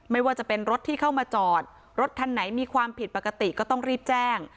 ไม่ว่าจะเป็นรถที่เข้ามาจอดรถคันไหนมีความผิดปกติก็ต้องรีบแจ้ง